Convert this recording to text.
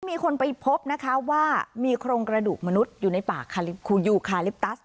มีคนไปพบนะคะว่ามีโครงกระดูกมนุษย์อยู่ในป่าคูยูคาลิปตัส